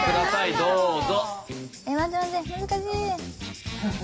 どうぞ。